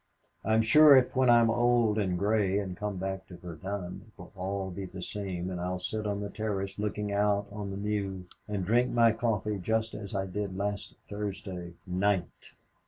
I'm sure if when I'm old and gray and come back to Verdun, it will all be the same and I'll sit on the terrace looking out on the Meuse and drink my coffee just as I did last Thursday night!